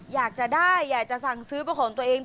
อยากจะได้อยากจะสั่งซื้อเป็นของตัวเอง